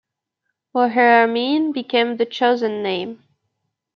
'Bohermeen' became the chosen name.